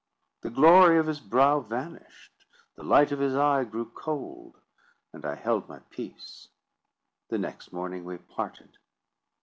The glory of his brow vanished; the light of his eye grew cold; and I held my peace. The next morning we parted.